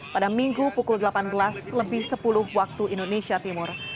pada minggu pukul delapan belas lebih sepuluh waktu indonesia timur